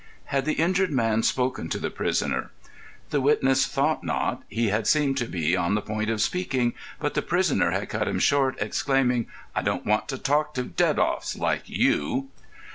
Had the injured man spoken to the prisoner? The witness thought not; he had seemed to be on the point of speaking, but the prisoner had cut him short, exclaiming: "I don't want to talk to dead off's—like you!"